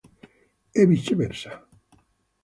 E viceversa.